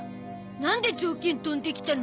なんでぞうきん飛んできたの？